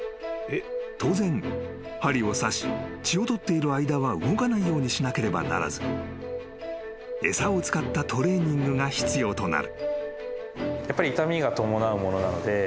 ［当然針を刺し血を採っている間は動かないようにしなければならず餌を使ったトレーニングが必要となる］